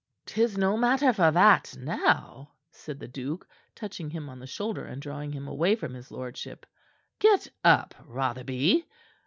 "'Tis no matter for that now," said the duke, touching him on the shoulder and drawing him away from his lordship. "Get up, Rotherby."